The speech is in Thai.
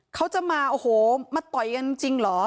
เขาจะมาโอ้โหมาต่อยกันจริงเหรอ